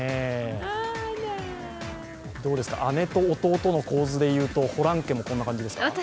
あらどうですか、姉と弟の構図でいうとホラン家もこんな感じですか？